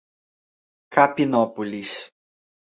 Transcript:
Capinópolis